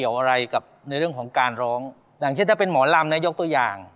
อย่างเช่นถ้าเป็นหมอลามนายยกตัวอย่าง